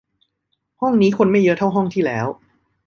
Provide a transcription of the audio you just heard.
ห้องนี้คนไม่เยอะเท่าห้องที่แล้ว